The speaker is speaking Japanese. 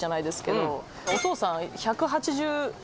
お父さん。